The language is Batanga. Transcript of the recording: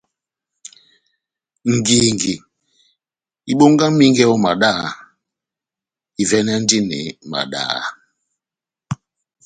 Ngingi ibongamingɛ ó madá, ivɛ́nɛndini madaha.